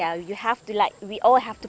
assalamualaikum warahmatullahi wabarakatuh